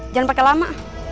jangan pake lama